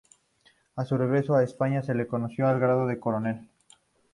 A su regreso a España se le reconoció el grado de coronel.